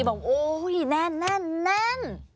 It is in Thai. บอกโอ้ยแน่น